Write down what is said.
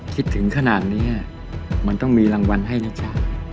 คิดถึงขนาดนี้มันต้องมีรางวัลให้นะจ๊ะ